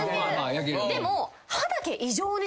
でも。